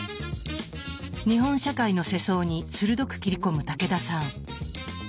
日本社会の世相に鋭く切り込む武田さん。